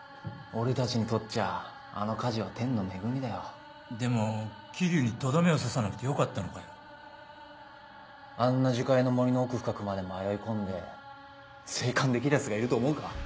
俺たちにとっちゃあの火事は天の恵みだよでも霧生にとどめを刺さなくてよかっあんな樹海の森の奥深くまで迷い込んで生還できるヤツがいると思うか？